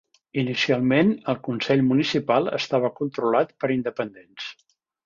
Inicialment, el consell municipal estava controlat per independents.